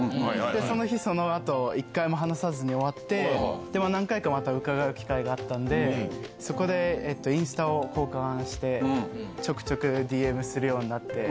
その日、そのあと、一回も話さずに終わって、でも何回かまた伺う機会があったんで、そこでインスタを交換して、ちょくちょくＤＭするようになって。